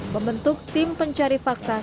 membentuk tim pencari fakta